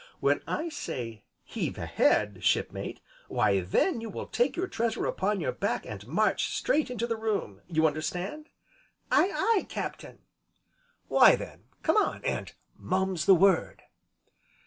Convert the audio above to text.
"When I say 'heave ahead, Shipmate,' why, then, you will take your treasure upon your back and march straight into the room you understand?" "Aye, aye, Captain." "Why, then come on, and mum's the word."